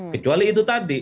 kecuali itu tadi